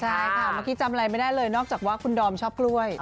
ใช่ค่ะเมื่อกี้จำอะไรไม่ได้เลยนอกจากว่าคุณดอมชอบกล้วย